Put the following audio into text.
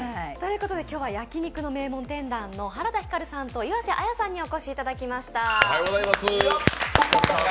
今日は焼肉の名門天壇の原田輝さんと岩瀬綾さんにお越しいただきました。